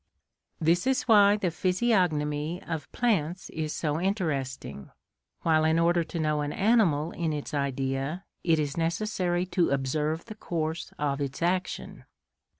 This is why the physiognomy of plants is so interesting; while in order to know an animal in its Idea, it is necessary to observe the course of its action.